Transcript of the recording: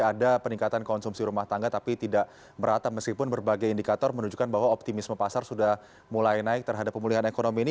ada peningkatan konsumsi rumah tangga tapi tidak merata meskipun berbagai indikator menunjukkan bahwa optimisme pasar sudah mulai naik terhadap pemulihan ekonomi ini